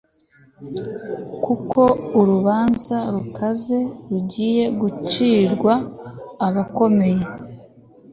kuko urubanza rukaze rugiye gucirwa abakomeye